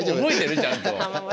ちゃんと。